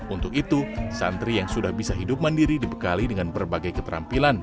untuk itu santri yang sudah bisa hidup mandiri dibekali dengan berbagai keterampilan